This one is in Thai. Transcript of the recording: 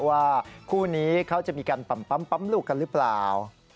ว่าคู่นี้เขาจะมีการปั๊มลูกกันหรือเปล่า